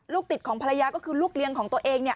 ลูกติดของภรรยาก็คือลูกเลี้ยงของตัวเองเนี่ย